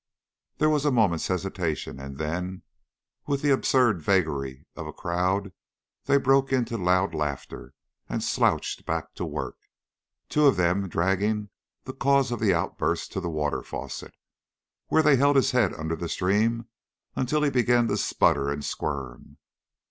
There was a moment's hesitation, and then, with the absurd vagary of a crowd, they broke into loud laughter and slouched back to work, two of them dragging the cause of the outburst to the water faucet, where they held his head under the stream until he began to sputter and squirm.